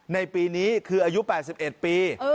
ในปีนี้คืออายุ๘๑ปี